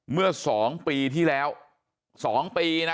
เมื่อสองปีที่แล้วสองปีนะ